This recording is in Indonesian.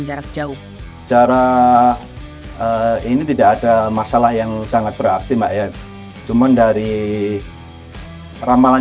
jarak jauh jarak ini tidak ada masalah yang sangat berarti mbak ya cuman dari ramalan